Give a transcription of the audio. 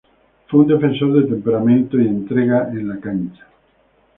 Fue un defensor de temperamento y entrega en la cancha.